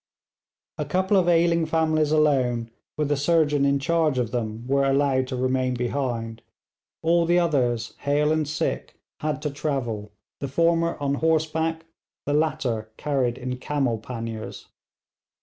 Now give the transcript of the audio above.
A couple of ailing families alone, with a surgeon in charge of them, were allowed to remain behind; all the others, hale and sick, had to travel, the former on horseback, the latter carried in camel panniers.